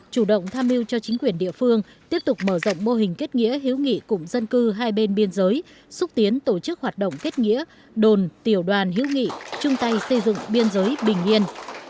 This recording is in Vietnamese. chủ động tham mưu cho chính quyền địa phương tiếp tục mở rộng mô hình kết nghĩa hữu nghị cụm dân cư hai bên biên giới xúc tiến tổ chức hoạt động kết nghĩa đồn tiểu đoàn hữu nghị chung tay xây dựng biên giới bình yên